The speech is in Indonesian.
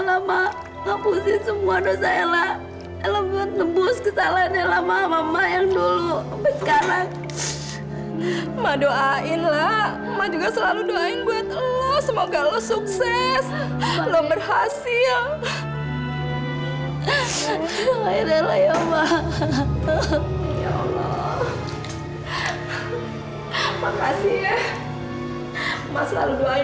assalamualaikum warahmatullahi wabarakatuh